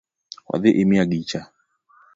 Wadhi imiya gicha